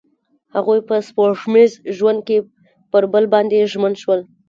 هغوی په سپوږمیز ژوند کې پر بل باندې ژمن شول.